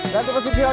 satu posisi lagi